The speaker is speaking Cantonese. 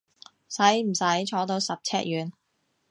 使唔使坐到十尺遠？